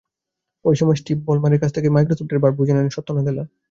ওই সময়ে স্টিভ বলমারের কাছ থেকে মাইক্রোসফটের ভার বুঝে নেন সত্য নাদেলা।